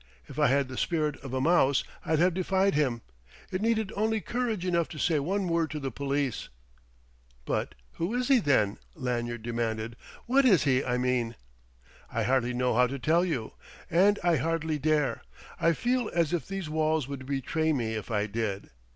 If I had the spirit of a mouse, I'd have defied him; it needed only courage enough to say one word to the police " "But who is he, then?" Lanyard demanded. "What is he, I mean?" "I hardly know how to tell you. And I hardly dare: I feel as if these walls would betray me if I did....